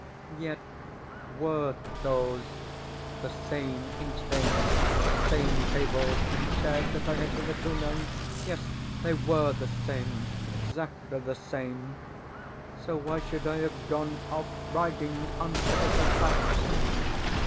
Yet WERE those the same inkstains, the same tables and chairs, that I had hitherto known? Yes, they WERE the same, exactly the same; so why should I have gone off riding on Pegasus' back?